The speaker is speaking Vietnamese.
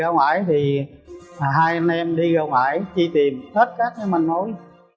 hai anh em đi ra ngoài chi tìm hết các cái manh mối